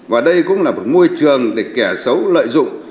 và đây cũng là một môi trường để kẻ xấu lợi dụng